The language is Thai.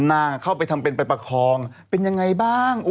นางเข้าไปทำเป็นไปประคองเป็นยังไงบ้าง